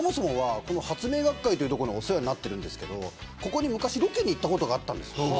発明学会というところにお世話になってるんですけど昔ロケに行ったことがあったんです。